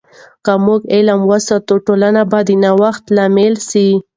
که موږ علم وساتو، ټولنه به د نوښت لامل سي.